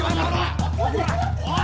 おい！